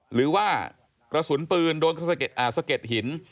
หรือว่ากระสุนปืนโดนสะเก็ดหิน